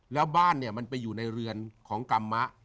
แล้วบ้านเนี่ยมันไปอยู่ในเรือนของกรรมะ